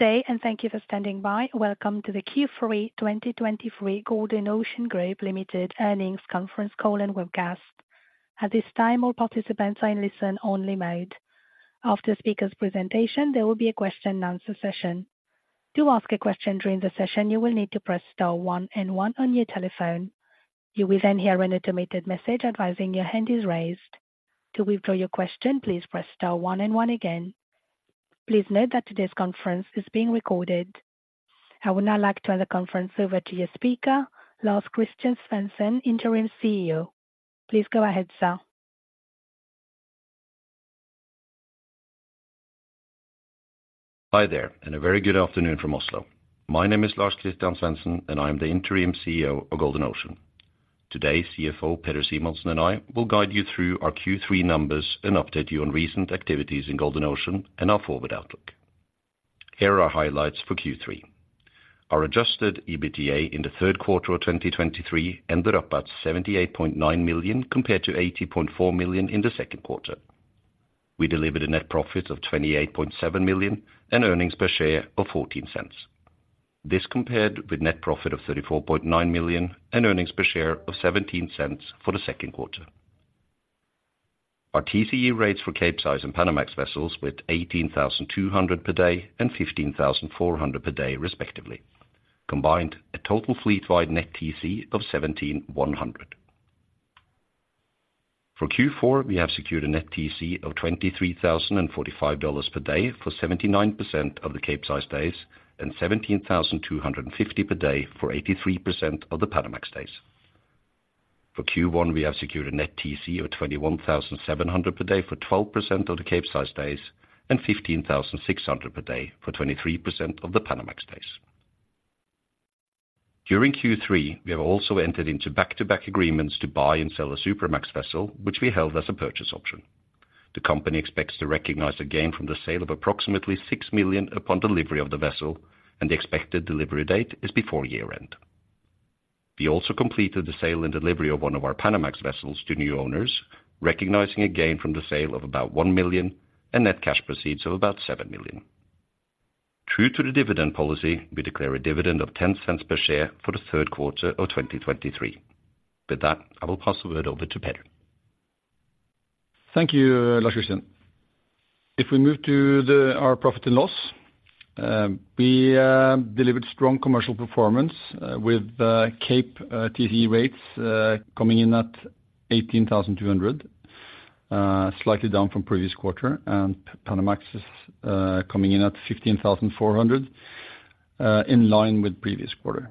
Good day, and thank you for standing by. Welcome to the Q3 2023 Golden Ocean Group Limited Earnings Conference Call and Webcast. At this time, all participants are in listen-only mode. After the speaker's presentation, there will be a question and answer session. To ask a question during the session, you will need to press star one and one on your telephone. You will then hear an automated message advising your hand is raised. To withdraw your question, please press star one and one again. Please note that today's conference is being recorded. I would now like to hand the conference over to your speaker, Lars-Christian Svensen, Interim CEO. Please go ahead, sir. Hi there, and a very good afternoon from Oslo. My name is Lars-Christian Svensen, and I am the Interim CEO of Golden Ocean. Today, CFO Peder Simonsen and I will guide you through our Q3 numbers and update you on recent activities in Golden Ocean and our forward outlook. Here are our highlights for Q3. Our adjusted EBITDA in the third quarter of 2023 ended up at $78.9 million, compared to $80.4 million in the second quarter. We delivered a net profit of $28.7 million and earnings per share of $0.14. This compared with net profit of $34.9 million and earnings per share of $0.17 for the second quarter. Our TCE rates for Capesize and Panamax vessels with $18,200 per day and $15,400 per day, respectively. Combined, a total fleet-wide Net TC of $1,700. For Q4, we have secured a Net TC of $23,045 per day for 79% of the Capesize days, and $17,250 per day for 83% of the Panamax days. For Q1, we have secured a Net TC of $21,700 per day for 12% of the Capesize days and $15,600 per day for 23% of the Panamax days. During Q3, we have also entered into back-to-back agreements to buy and sell a Supramax vessel, which we held as a purchase option. The company expects to recognize a gain from the sale of approximately $6 million upon delivery of the vessel, and the expected delivery date is before year-end. We also completed the sale and delivery of one of our Panamax vessels to new owners, recognizing a gain from the sale of about $1 million and net cash proceeds of about $7 million. True to the dividend policy, we declare a dividend of $0.10 per share for the third quarter of 2023. With that, I will pass the word over to Peder. Thank you, Lars-Christian. If we move to our profit and loss, we delivered strong commercial performance with Capesize TCE rates coming in at $18,200, slightly down from previous quarter, and Panamax coming in at $15,400, in line with previous quarter.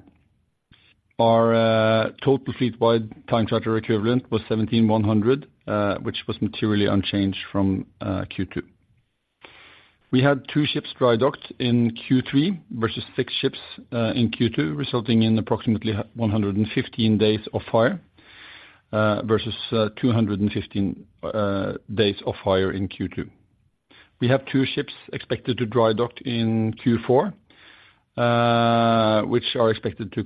Our total fleet-wide time charter equivalent was $17,100, which was materially unchanged from Q2. We had two ships dry docked in Q3 versus six ships in Q2, resulting in approximately 115 days off-hire versus 215 days off-hire in Q2. We have two ships expected to dry dock in Q4, which are expected to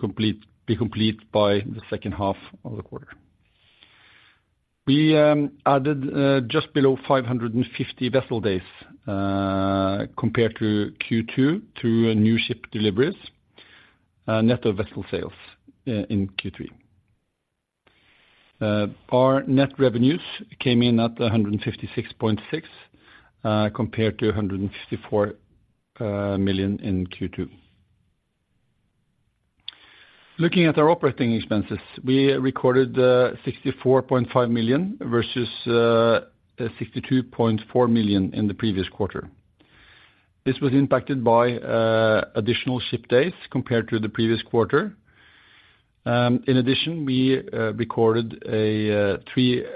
be complete by the second half of the quarter. We added just below 550 vessel days compared to Q2 through a new ship deliveries net of vessel sales in Q3. Our net revenues came in at $156.6 compared to $154 million in Q2. Looking at our operating expenses, we recorded $64.5 million versus $62.4 million in the previous quarter. This was impacted by additional ship days compared to the previous quarter. In addition, we recorded a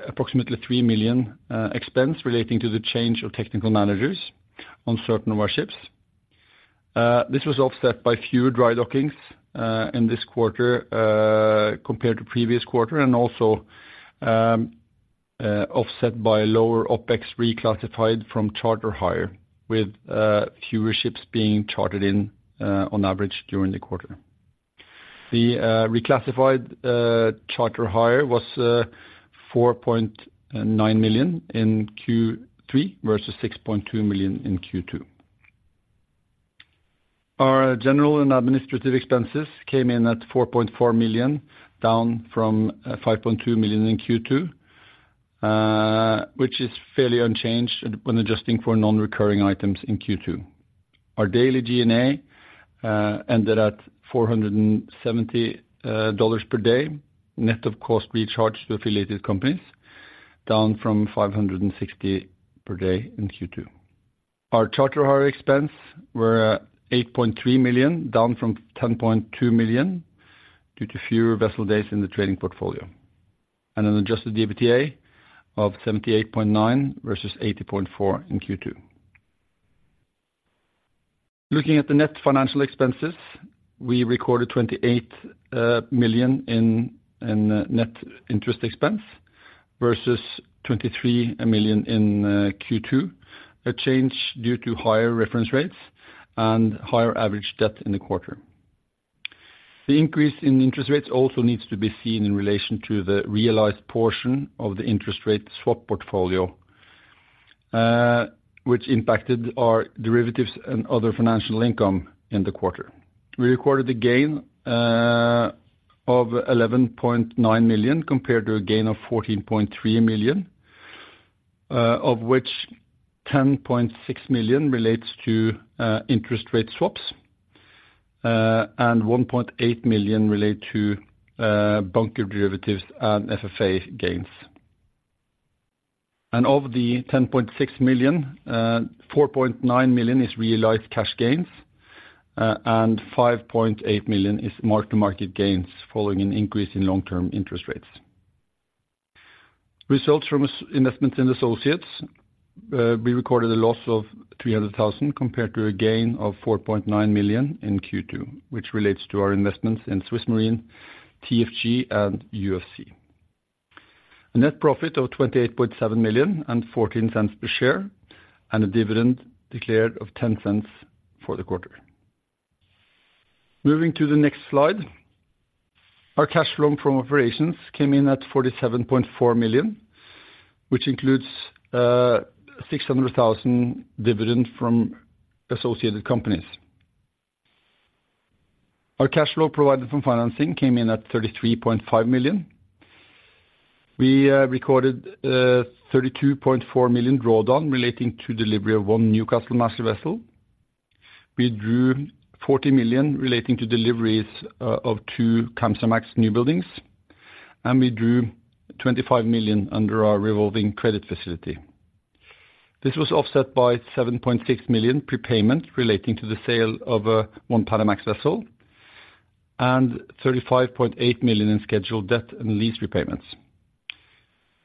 approximately $3 million expense relating to the change of technical managers on certain of our ships. This was offset by fewer dry dockings in this quarter compared to previous quarter, and also offset by lower OpEx reclassified from charter hire, with fewer ships being chartered in on average during the quarter. The reclassified charter hire was $4.9 million in Q3, versus $6.2 million in Q2. Our general and administrative expenses came in at $4.4 million, down from $5.2 million in Q2, which is fairly unchanged when adjusting for non-recurring items in Q2. Our daily G&A ended at $470 per day, net of cost recharged to affiliated companies, down from $560 per day in Q2. Our charter hire expense were at $8.3 million, down from $10.2 million, due to fewer vessel days in the trading portfolio. An adjusted EBITDA of $78.9 million versus $80.4 million in Q2. Looking at the net financial expenses, we recorded $28 million in net interest expense, versus $23 million in Q2. A change due to higher reference rates and higher average debt in the quarter. The increase in interest rates also needs to be seen in relation to the realized portion of the interest rate swap portfolio, which impacted our derivatives and other financial income in the quarter. We recorded a gain of $11.9 million, compared to a gain of $14.3 million, of which $10.6 million relates to interest rate swaps, and $1.8 million relates to bunker derivatives and FFA gains. And of the $10.6 million, $4.9 million is realized cash gains, and $5.8 million is mark-to-market gains, following an increase in long-term interest rates. Results from our investments in associates, we recorded a loss of $300,000, compared to a gain of $4.9 million in Q2, which relates to our investments in SwissMarine, TFG and UFC. A net profit of $28.7 million and $0.14 per share, and a dividend declared of $0.10 for the quarter. Moving to the next slide. Our cash flow from operations came in at $47.4 million, which includes $600,000 dividend from associated companies. Our cash flow provided from financing came in at $33.5 million. We recorded $32.4 million drawdown relating to delivery of one Newcastlemax vessel. We drew $40 million relating to deliveries of two Kamsarmax newbuildings, and we drew $25 million under our revolving credit facility. This was offset by $7.6 million prepayment relating to the sale of one Panamax vessel, and $35.8 million in scheduled debt and lease repayments.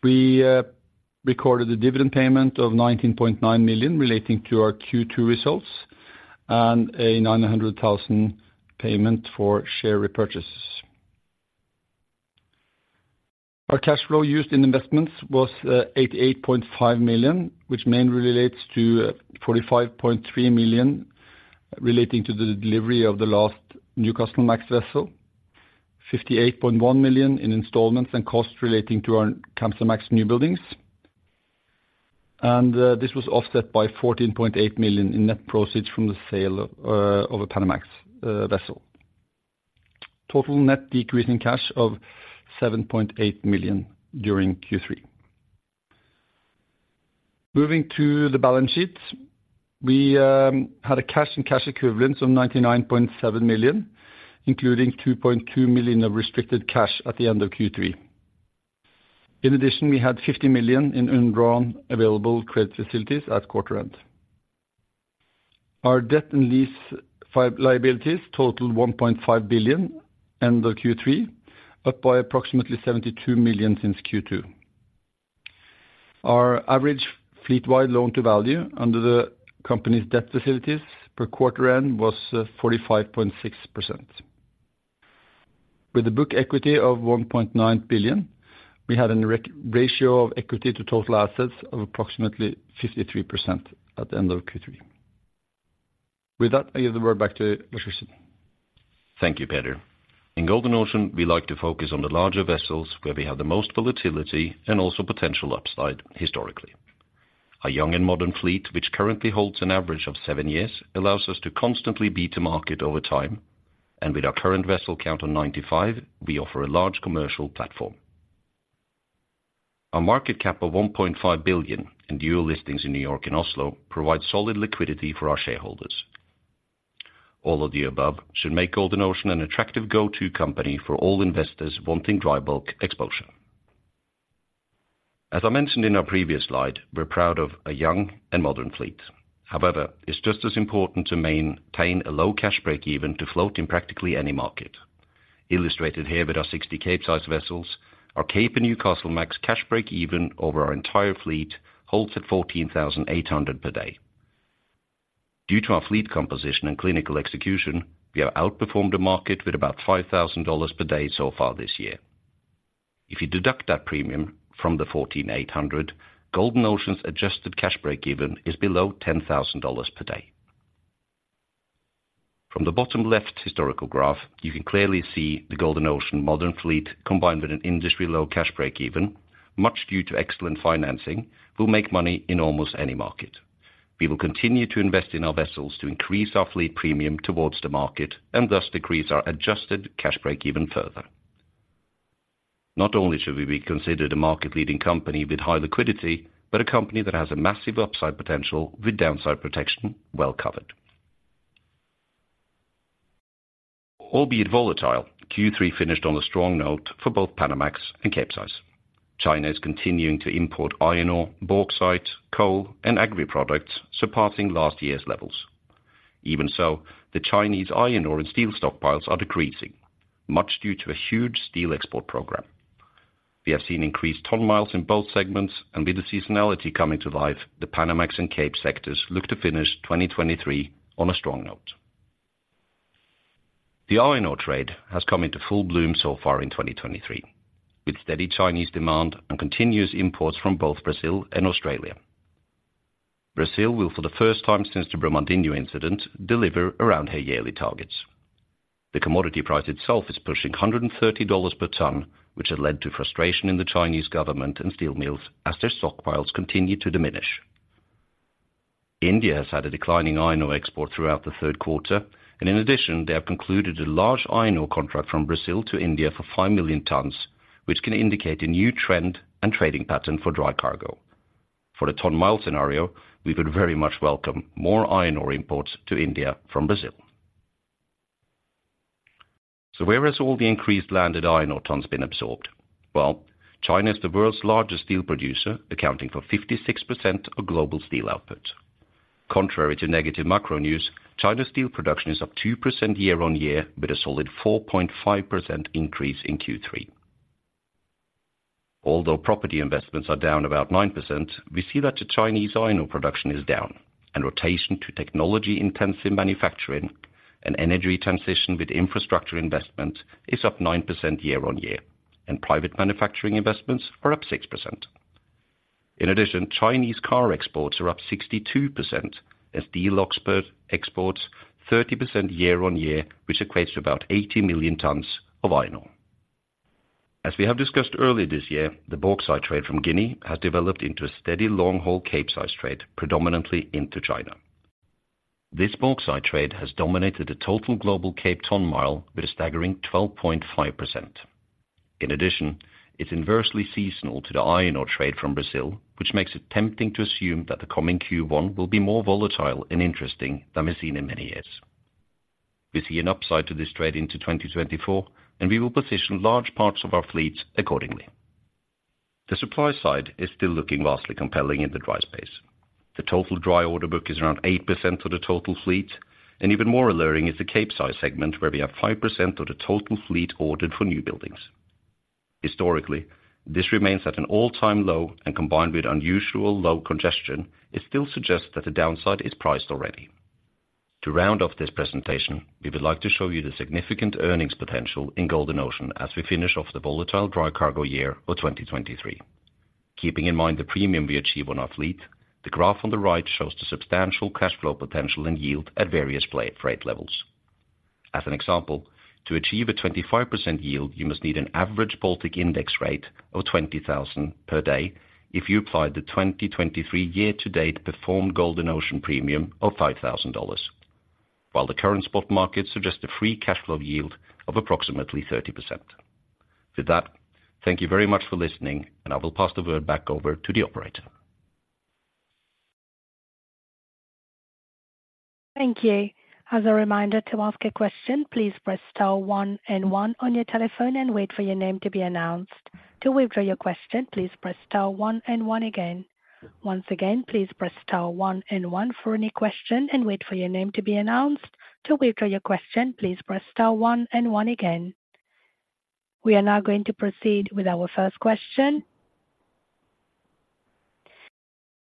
We recorded a dividend payment of $19.9 million relating to our Q2 results, and a $900,000 payment for share repurchases. Our cash flow used in investments was $88.5 million, which mainly relates to $45.3 million, relating to the delivery of the last Newcastlemax vessel. $58.1 million in installments and costs relating to our Kamsarmax newbuildings. And this was offset by $14.8 million in net proceeds from the sale of a Panamax vessel. Total net decrease in cash of $7.8 million during Q3. Moving to the balance sheet. We had a cash and cash equivalents of $99.7 million, including $2.2 million of restricted cash at the end of Q3. In addition, we had $50 million in undrawn available credit facilities at quarter end. Our debt and lease liabilities totaled $1.5 billion end of Q3, up by approximately $72 million since Q2. Our average fleet-wide loan-to-value under the company's debt facilities per quarter end was 45.6%. With a book equity of $1.9 billion, we had a ratio of equity to total assets of approximately 53% at the end of Q3. With that, I give the word back to Lars-Christian. Thank you, Peder. In Golden Ocean, we like to focus on the larger vessels where we have the most volatility and also potential upside historically. Our young and modern fleet, which currently holds an average of seven years, allows us to constantly beat the market over time, and with our current vessel count on 95, we offer a large commercial platform. Our market cap of $1.5 billion, and dual listings in New York and Oslo, provide solid liquidity for our shareholders. All of the above should make Golden Ocean an attractive go-to company for all investors wanting dry bulk exposure. As I mentioned in our previous slide, we're proud of a young and modern fleet. However, it's just as important to maintain a low cash break even to float in practically any market. Illustrated here with our 60 Capesize vessels, our Capesize and Newcastlemax cash break-even over our entire fleet holds at $14,800 per day. Due to our fleet composition and clinical execution, we have outperformed the market with about $5,000 per day so far this year. If you deduct that premium from the $14,800, Golden Ocean's adjusted cash break-even is below $10,000 per day. From the bottom left historical graph, you can clearly see the Golden Ocean modern fleet, combined with an industry-low cash break-even, much due to excellent financing, will make money in almost any market. We will continue to invest in our vessels to increase our fleet premium towards the market, and thus decrease our adjusted cash break-even further. Not only should we be considered a market-leading company with high liquidity, but a company that has a massive upside potential with downside protection well covered. Albeit volatile, Q3 finished on a strong note for both Panamax and Capesize. China is continuing to import iron ore, bauxite, coal, and agri products, surpassing last year's levels. Even so, the Chinese iron ore and steel stockpiles are decreasing, much due to a huge steel export program. We have seen increased ton miles in both segments, and with the seasonality coming to life, the Panamax and Cape sectors look to finish 2023 on a strong note. The iron ore trade has come into full bloom so far in 2023, with steady Chinese demand and continuous imports from both Brazil and Australia. Brazil will, for the first time since the Brumadinho incident, deliver around her yearly targets. The commodity price itself is pushing $130 per ton, which has led to frustration in the Chinese government and steel mills as their stockpiles continue to diminish. India has had a declining iron ore export throughout the third quarter, and in addition, they have concluded a large iron ore contract from Brazil to India for 5 million tons, which can indicate a new trend and trading pattern for dry cargo. For the ton mile scenario, we would very much welcome more iron ore imports to India from Brazil. So where has all the increased landed iron ore tons been absorbed? Well, China is the world's largest steel producer, accounting for 56% of global steel output. Contrary to negative macro news, China's steel production is up 2% year-on-year, with a solid 4.5% increase in Q3. Although property investments are down about 9%, we see that the Chinese iron ore production is down, and rotation to technology-intensive manufacturing and energy transition with infrastructure investment is up 9% year-on-year, and private manufacturing investments are up 6%. In addition, Chinese car exports are up 62%, as steel exports 30% year-on-year, which equates to about 80 million tons of iron ore. As we have discussed earlier this year, the bauxite trade from Guinea has developed into a steady long-haul Capesize trade, predominantly into China. This bauxite trade has dominated the total global Cape ton mile with a staggering 12.5%. In addition, it's inversely seasonal to the iron ore trade from Brazil, which makes it tempting to assume that the coming Q1 will be more volatile and interesting than we've seen in many years. We see an upside to this trade into 2024, and we will position large parts of our fleets accordingly. The supply side is still looking vastly compelling in the dry space. The total dry order book is around 8% of the total fleet, and even more alerting is the Capesize segment, where we have 5% of the total fleet ordered for new buildings. Historically, this remains at an all-time low, and combined with unusual low congestion, it still suggests that the downside is priced already. To round off this presentation, we would like to show you the significant earnings potential in Golden Ocean as we finish off the volatile dry cargo year of 2023. Keeping in mind the premium we achieve on our fleet, the graph on the right shows the substantial cash flow potential and yield at various play, freight levels. As an example, to achieve a 25% yield, you must need an average Baltic Index rate of 20,000 per day if you applied the 2023 year-to-date performed Golden Ocean premium of $5,000. While the current spot markets suggest a free cash flow yield of approximately 30%. With that, thank you very much for listening, and I will pass the word back over to the operator. Thank you. As a reminder, to ask a question, please press star one and one on your telephone and wait for your name to be announced. To withdraw your question, please press star one and one again. Once again, please press star one and one for any question and wait for your name to be announced. To withdraw your question, please press star one and one again. We are now going to proceed with our first question.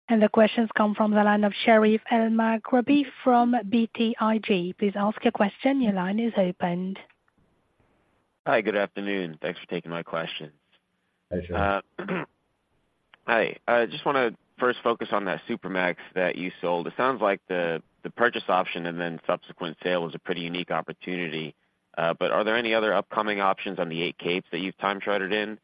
The questions come from the line of Sherif Elmaghrabi from BTIG. Please ask your question. Your line is open. Hi, good afternoon. Thanks for taking my questions. Hi, Sherif. Hi. I just wanna first focus on that Supramax that you sold. It sounds like the, the purchase option and then subsequent sale was a pretty unique opportunity. But are there any other upcoming options on the eight Capes that you've time chartered in,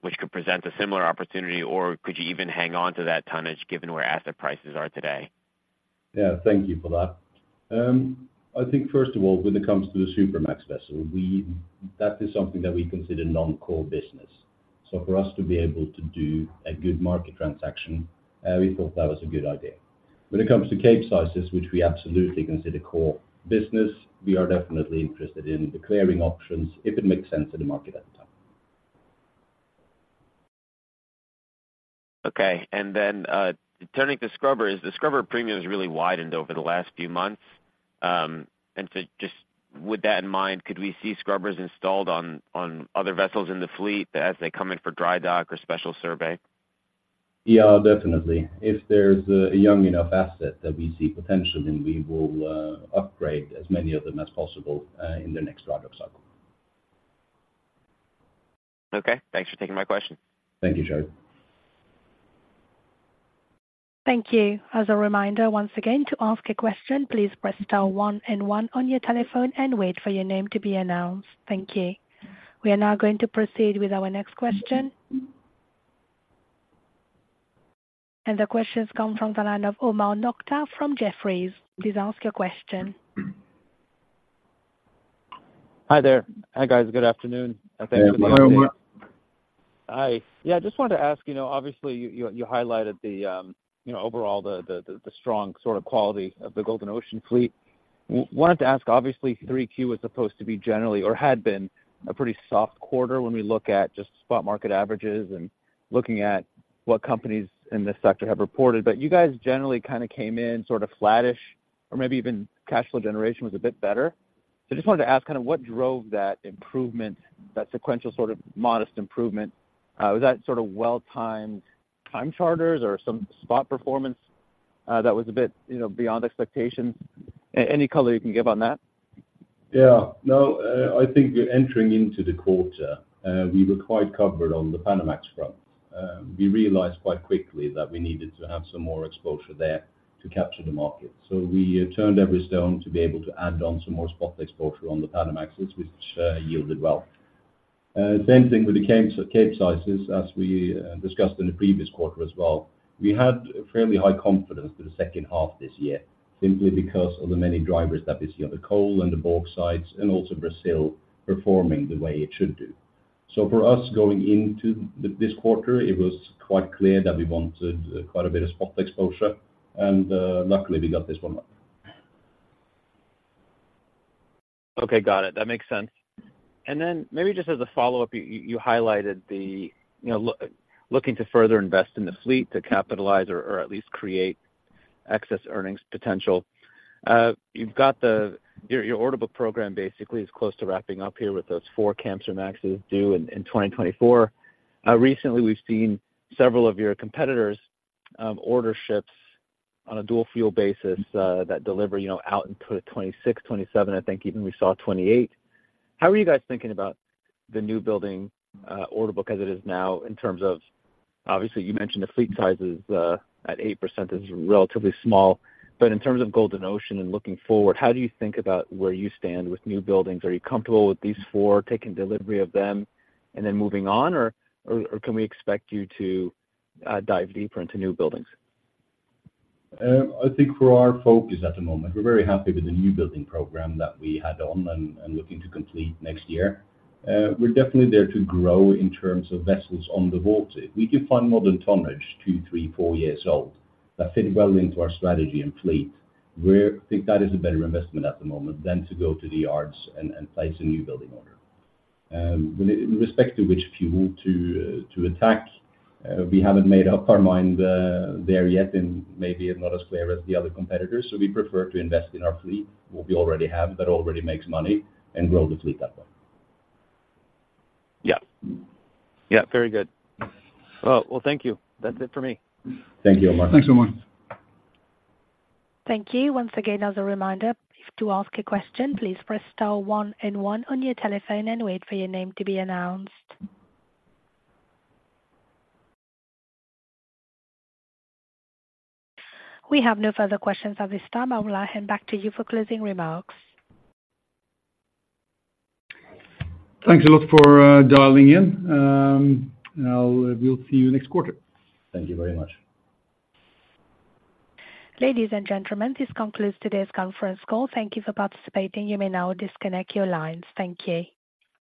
which could present a similar opportunity, or could you even hang on to that tonnage given where asset prices are today? Yeah, thank you for that. I think first of all, when it comes to the Supramax vessel, we, that is something that we consider non-core business. So for us to be able to do a good market transaction, we thought that was a good idea. When it comes to Capesizes, which we absolutely consider core business, we are definitely interested in the clearing options if it makes sense to the market at the time. Okay. And then, turning to scrubbers, the scrubber premium has really widened over the last few months. And so just with that in mind, could we see scrubbers installed on, on other vessels in the fleet as they come in for dry dock or special survey? Yeah, definitely. If there's a young enough asset that we see potential, then we will upgrade as many of them as possible in the next dry dock cycle. Okay, thanks for taking my question. Thank you, Sherif. Thank you. As a reminder, once again, to ask a question, please press star one and one on your telephone and wait for your name to be announced. Thank you. We are now going to proceed with our next question. The questions come from the line of Omar Nokta from Jefferies. Please ask your question. Hi there. Hi, guys, good afternoon. Hi, Omar. Hi. Yeah, I just wanted to ask, you know, obviously, you highlighted the, you know, overall, the strong sort of quality of the Golden Ocean fleet. Wanted to ask, obviously, Q3 is supposed to be generally or had been a pretty soft quarter when we look at just spot market averages and looking at what companies in this sector have reported. But you guys generally kind of came in sort of flattish or maybe even cash flow generation was a bit better. So I just wanted to ask kind of what drove that improvement, that sequential sort of modest improvement. Was that sort of well-timed time charters or some spot performance, that was a bit, you know, beyond expectations? Any color you can give on that? Yeah. No, I think entering into the quarter, we were quite covered on the Panamax front. We realized quite quickly that we needed to have some more exposure there to capture the market. So we turned every stone to be able to add on some more spot exposure on the Panamax, which yielded well. Same thing with the Capesize, as we discussed in the previous quarter as well. We had fairly high confidence for the second half this year, simply because of the many drivers that we see on the coal and the bauxites and also Brazil performing the way it should do. So for us, going into this quarter, it was quite clear that we wanted quite a bit of spot exposure, and luckily we got this one right. Okay, got it. That makes sense. And then maybe just as a follow-up, you highlighted the, you know, looking to further invest in the fleet to capitalize or, or at least create excess earnings potential. You've got the, your order book program basically is close to wrapping up here with those four Kamsarmaxes due in 2024. Recently we've seen several of your competitors order ships on a dual fuel basis that deliver, you know, out into 2026, 2027, I think even we saw 2028. How are you guys thinking about the new building order book as it is now, in terms of obviously you mentioned the fleet sizes at 8% is relatively small, but in terms of Golden Ocean and looking forward, how do you think about where you stand with new buildings? Are you comfortable with these four, taking delivery of them and then moving on, or can we expect you to dive deeper into new buildings? I think for our focus at the moment, we're very happy with the new building program that we had on and looking to complete next year. We're definitely there to grow in terms of vessels on the water. We could find modern tonnage, two, three, four years old, that fit well into our strategy and fleet, where I think that is a better investment at the moment than to go to the yards and place a new building order. With respect to which fuel to attack, we haven't made up our mind there yet, and maybe it's not as clear as the other competitors, so we prefer to invest in our fleet, what we already have, that already makes money, and grow the fleet that way. Yeah. Yeah, very good. Well, well, thank you. That's it for me. Thank you, Omar. Thanks, Omar. Thank you. Once again, as a reminder, to ask a question, please press star one and one on your telephone and wait for your name to be announced. We have no further questions at this time. I will hand back to you for closing remarks. Thanks a lot for dialing in. We'll see you next quarter. Thank you very much. Ladies and gentlemen, this concludes today's conference call. Thank you for participating. You may now disconnect your lines. Thank you.